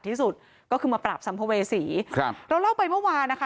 ที่สุดก็คือมาปราบสัมภเวษีครับเราเล่าไปเมื่อวานนะคะ